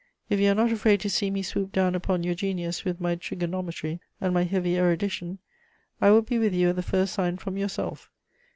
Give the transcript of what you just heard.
"If you are not afraid to see me swoop down upon your genius with my trigonometry and my heavy erudition, I will be with you at the first sign from yourself.